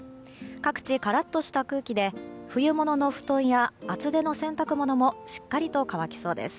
各地、カラッとした空気で冬物の布団や厚手の洗濯物もしっかりと乾きそうです。